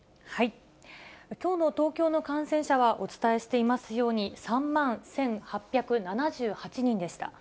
きょうの東京の感染者は、お伝えしていますように、３万１８７８人でした。